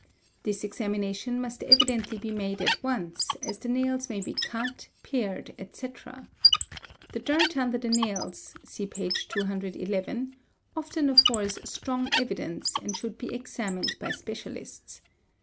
'This examination must evidently be made at once, as the nails may be cut, pared, etc. The dirt under the nails (see p. 211) often affords strong evidence and should be examined by specialists.